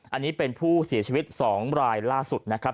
อันนี้เป็นผู้เสียชีวิต๒รายล่าสุดนะครับ